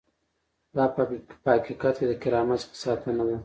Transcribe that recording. دا په حقیقت کې د کرامت څخه ساتنه ده.